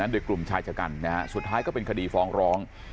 โดยกลุ่มชายชะกันสุดท้ายก็เป็นคดีฟ้องร้อง